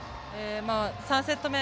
３セット目